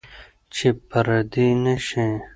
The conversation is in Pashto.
چې پردي نشئ.